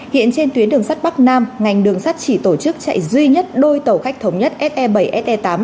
hiện trên tuyến đường sắt bắc nam ngành đường sắt chỉ tổ chức chạy duy nhất đôi tàu khách thống nhất se bảy se tám